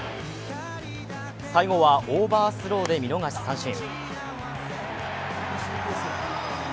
最後はオーバースローで見逃し三振。